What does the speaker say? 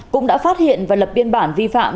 cũng đã phát hiện và lập biên bản vi phạm